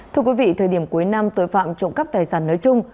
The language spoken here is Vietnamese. thưa quý vị thời điểm cuối năm tội phạm trộm cắp tài sản nói chung